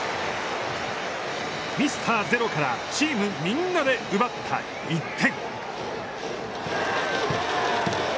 ミスターゼロからチームみんなで奪った１点。